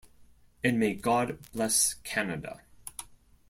And may God bless Canada.